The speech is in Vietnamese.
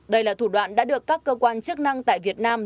đây là thủ đoạn đã được các cơ quan chức năng tại việt nam